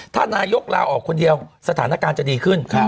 ถ้านายกลาออกคนเดียวสถานการณ์จะดีขึ้น